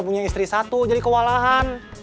punya istri satu jadi kewalahan